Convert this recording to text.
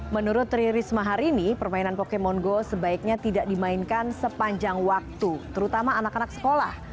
menurut tri risma harini permainan pokemon go sebaiknya tidak dimainkan sepanjang waktu terutama anak anak sekolah